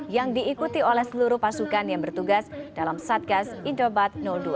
yang diikuti oleh seluruh pasukan yang bertugas dalam satgas indobat dua